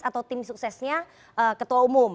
atau tim suksesnya ketua umum